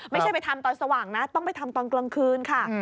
ไม่ใช่ไปทำตอนสว่างนะต้องไปทำตอนกลางคืนค่ะ